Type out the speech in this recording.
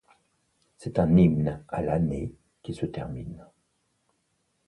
C'est un hymne à l'année qui se termine.